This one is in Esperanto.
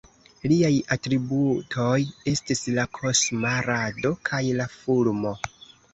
Liaj atributoj estis la "Kosma Rado" kaj la fulmo.